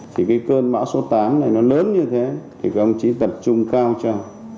thì cái cơn bão số tám này nó lớn như thế thì công chí tập trung cao cho